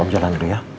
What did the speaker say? om jalan dulu ya